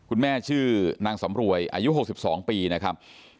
คุณแม่ชื่อนางสำรวยอายุ๖๒ปีนะครับ